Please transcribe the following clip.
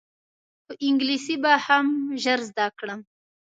خو انګلیسي به هم ژر زده کړم.